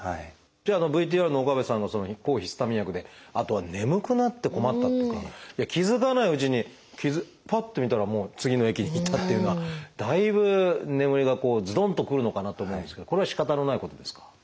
じゃあＶＴＲの岡部さんが抗ヒスタミン薬であとは眠くなって困ったとか気付かないうちにぱって見たらもう次の駅にいたっていうのはだいぶ眠りがずどんとくるのかなと思うんですけどこれはしかたのないことですか？